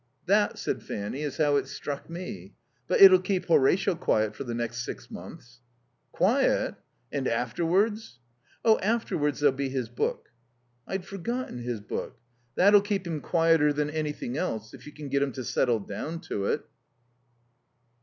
"That," said Fanny, "is how it struck me. But it'll keep Horatio quiet for the next six months." "Quiet? And afterwards?" "Oh, afterwards there'll be his book." "I'd forgotten his book." "That'll keep him quieter than anything else; if you can get him to settle down to it."